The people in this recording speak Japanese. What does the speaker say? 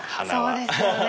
そうですよね。